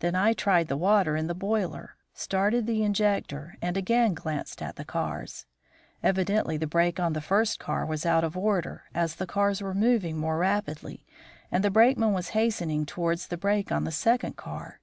Then I tried the water in the boiler, started the injector, and again glanced at the cars. Evidently the brake on the first car was out of order, as the cars were moving more rapidly, and the brakeman was hastening towards the brake on the second car.